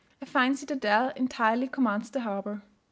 A fine citadel entirely commands the harbour.